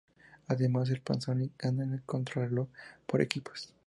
Además, el Panasonic gana la contrarreloj por equipos.